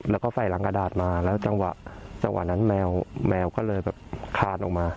แล้วก็ใส่รังกระดาษมาแล้วจังหวะจังหวะนั้นแมวแมวก็เลยแบบคานออกมา